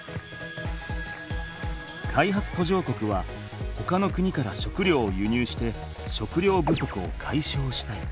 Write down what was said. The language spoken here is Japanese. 開発途上国はほかの国から食料を輸入して食料不足をかいしょうしたい。